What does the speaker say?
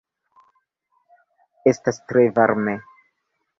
Estas tre varme.